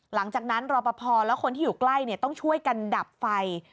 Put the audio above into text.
หลังจากนั้นรอประพอแล้วคนที่อยู่ใกล้ต้องช่วยกันดับไฟ